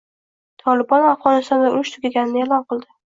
“Tolibon” Afg‘onistonda urush tugaganini e’lon qildi